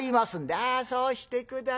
「ああそうして下さい。